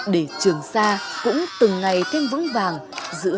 để trường sa cũng từng ngày thêm vững vàng